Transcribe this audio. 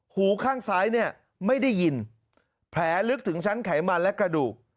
หูข้างซ้ายเนี่ยไม่ได้ยินแผลลึกถึงชั้นไขมันและกระดูก